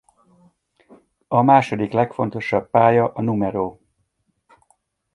A második legfontosabb pálya a No.